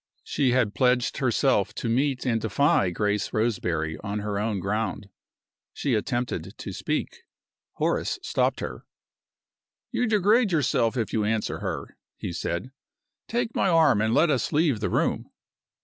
She had pledged herself to meet and defy Grace Roseberry on her own ground. She attempted to speak Horace stopped her. "You degrade yourself if you answer her," he said. "Take my arm, and let us leave the room."